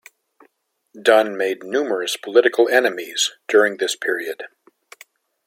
Dunn made numerous political enemies during this period.